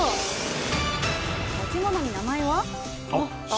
持ち物に名前は。